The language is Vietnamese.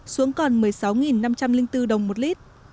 xuống còn một mươi sáu năm trăm linh bốn đồng một lít